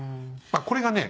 これがね